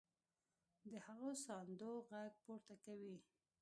د هغو ساندو غږ پورته کوي.